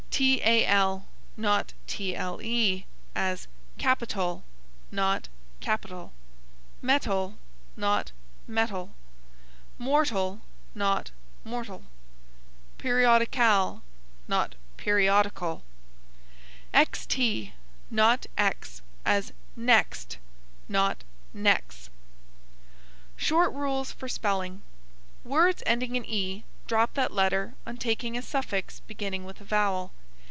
tal, not tle, as capital, not capitle; metal, not mettle; mortal, not mortle; periodical, not periodicle. xt, not x, as next, not nex. SHORT RULES FOR SPELLING. Words ending in e drop that letter on taking a suffix beginning with a vowel.